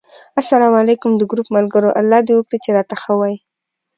اسلام علیکم! د ګروپ ملګرو! الله دې وکړي چې راته ښه وی